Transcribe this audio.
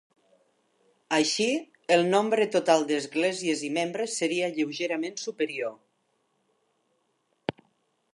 Així, el nombre total d'esglésies i membres seria lleugerament superior.